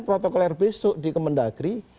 protokol air besok di kemendagri